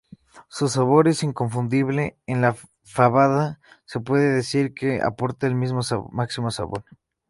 Su sabor es inconfundible en la fabada, se puede decir que aporta el máximo sabor.